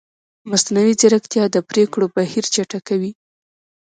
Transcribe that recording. مصنوعي ځیرکتیا د پرېکړو بهیر چټکوي.